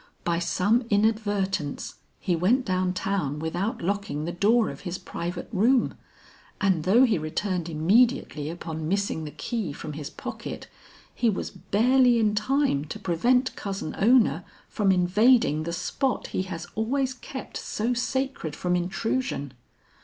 By some inadvertence he went down town without locking the door of his private room, and though he returned immediately upon missing the key from his pocket, he was barely in time to prevent Cousin Ona from invading the spot he has always kept so sacred from intrusion.